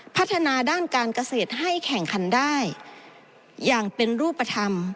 พัฒนาด้านการเกษตรให้แข่งขันได้อย่างเป็นรูปธรรม